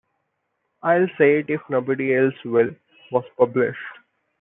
I'll Say It If Nobody Else Will, was published.